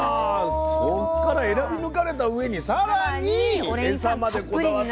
そっから選び抜かれたうえにさらにオレイン酸までこだわって。